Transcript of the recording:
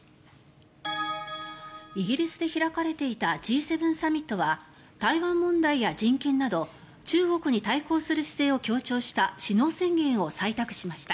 イギリスで開かれていたＧ７サミットは台湾問題や人権など中国に対抗する姿勢を強調した首脳宣言を採択しました。